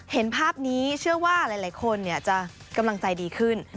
เห็นภาพนี้เชื่อว่าหลายคนจะกำลังใจดีขึ้น